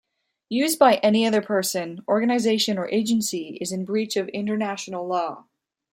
Use by any other person, organisation or agency is in breach of international law.